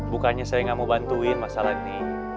bukannya saya nggak mau bantuin masalah ini